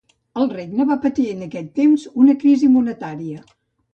El regne va patir en aquell temps una crisi monetària.